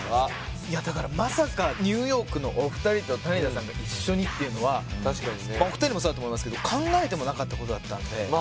まさかニューヨークのお二人と谷田さんが一緒にっていうのはお二人もそうだと思いますけど考えてもなかったことだったので。